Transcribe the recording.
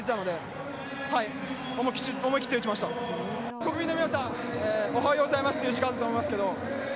国民の皆さんおはようございますという時間だと思いますけど。